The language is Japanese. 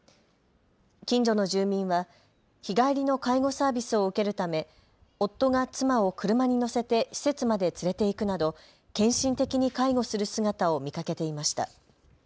近所の住民は日帰りの介護サービスを受けるため夫が妻を車に乗せて施設まで連れて行くなど献身的に介護する姿を見かけていました。